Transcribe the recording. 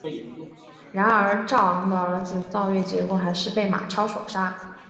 然而赵昂的儿子赵月结果还是被马超所杀。